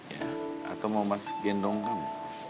ya atau mau mas gendong kamu